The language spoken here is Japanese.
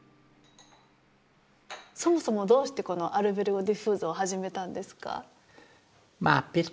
そもそもどうしてこのアルベルゴ・ディフーゾを始めたんですか。